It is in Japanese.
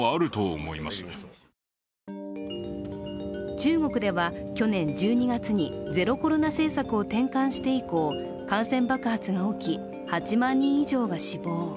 中国では去年１２月にゼロコロナ政策を転換して以降、感染爆発が起き、８万人以上が死亡。